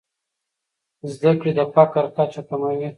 زده کړې د فقر کچه کموي.